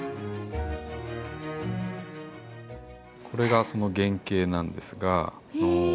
これがその原型なんですが。